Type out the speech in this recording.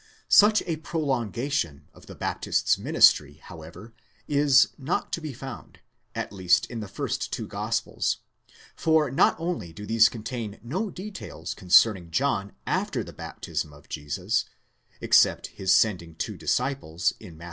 Such a prolongation of the Baptist's ministry, however, is not to be found, at least in the first two Gospels ; for not only do these contain no details concerning John, after the baptism of Jesus, except his sending two disciples (Matt.